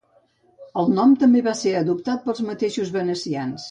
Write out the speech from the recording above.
El nom també va ser adoptat pels mateixos venecians.